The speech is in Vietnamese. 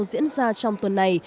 diễn ra trong tuần này